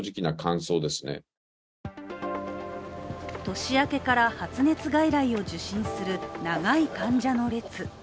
年明けから発熱外来を受診する長い患者の列。